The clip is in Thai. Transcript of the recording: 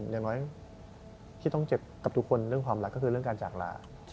อย่างน้อยที่ต้องเจ็บกับทุกคนเรื่องความรักก็คือเรื่องการจากลา